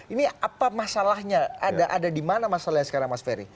ini apa masalahnya ada dimana masalahnya sekarang mas ferry